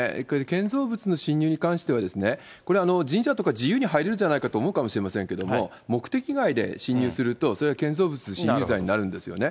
建造物の侵入に関してはですね、これ、神社とか自由に入れるじゃないかと思うかもしれませんけれども、目的外で侵入すると、それは建造物侵入罪になるんですよね。